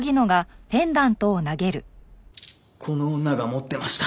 この女が持ってました。